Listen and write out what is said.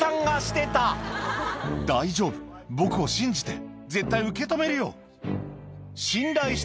「大丈夫僕を信じて絶対受け止めるよ」